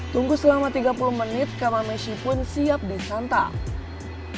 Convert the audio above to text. tunggu selama tiga puluh menit kamameshi pun siap disantap